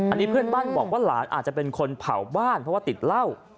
อันนี้เพื่อนบ้านบอกว่าหลานอาจจะเป็นคนเผาบ้านเพราะว่าติดเหล้า